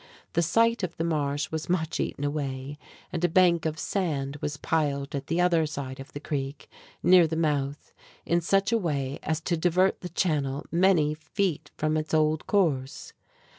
The site of the Marsh was much eaten away, and a bank of sand was piled at the other side of the creek, near the mouth, in such a way as to divert the channel many feet from its old course.